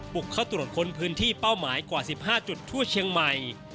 บุกเข้าตรวจค้นพื้นที่เป้าหมายกว่า๑๕จุดทั่วเชียงใหม่